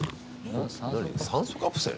酸素カプセル？